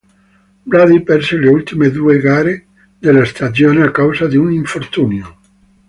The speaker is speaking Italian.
Brady perse le ultime due gare della stagione a causa di un infortunio.